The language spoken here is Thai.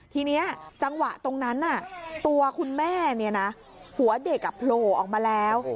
ทีนี้จังหวะตรงนั้นตัวคุณแม่หัวเด็กโผล่ออกมาแล้ว